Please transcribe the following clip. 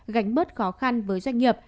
gánh bớt khó khăn với doanh nghiệp